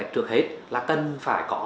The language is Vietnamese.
trước hết là cần phải có